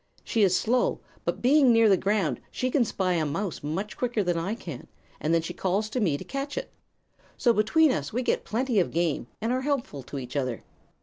She is slow, but, being near the ground, she can spy a mouse much quicker than I can, and then she calls to me to catch it. So between us we get plenty of game and are helpful to each other.